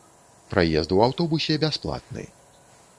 Праезд у аўтобусе бясплатны.